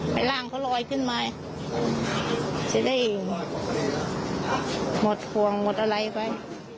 ให้ร่างเขาลอยขึ้นมาจะได้หมดห่วงหมดอะไรไป